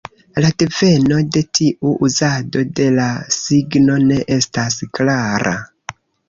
La deveno de tiu uzado de la signo ne estas klara.